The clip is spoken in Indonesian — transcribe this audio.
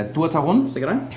dua tahun sekarang